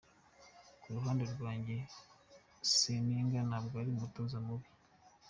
Ku ruhande rwanjye, Seninga ntabwo ari umutoza mubi.